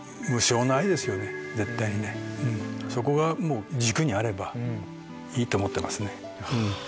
そこが軸にあればいいと思ってますね。